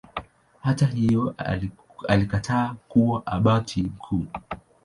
Hata hivyo alikataa kuwa Abati mkuu.